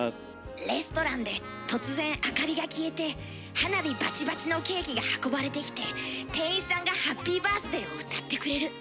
レストランで突然明かりが消えて花火バチバチのケーキが運ばれてきて店員さんが「ハッピーバースデー」を歌ってくれる。